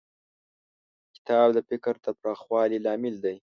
کتاب د فکر د پراخوالي لامل دی.